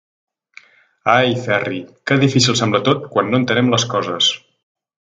Ai, Ferri, que difícil sembla tot quan no entenem les coses!